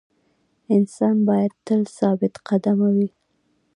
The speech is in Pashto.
انسان باید تل ثابت قدمه وي.